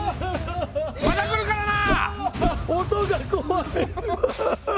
また来るからな！